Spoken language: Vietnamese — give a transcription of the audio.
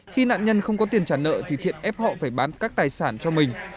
khi nạn nhân không có tiền trả nợ thì thiện ép họ phải bán các tài sản cho mình